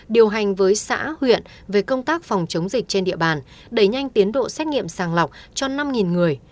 điều hành với xã huyện về công tác phòng chống dịch trên địa bàn đẩy nhanh tiến độ xét nghiệm sàng lọc cho năm người